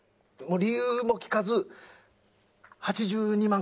理由も聞かず８２万